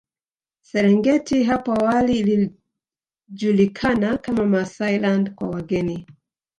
Serengeti hapo awali ilijulikana kama Maasailand kwa wageni